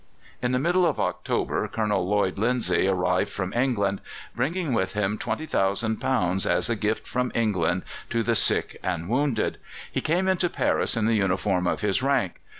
] In the middle of October Colonel Lloyd Lindsay arrived from England, bringing with him £20,000 as a gift from England to the sick and wounded. He came into Paris in the uniform of his rank.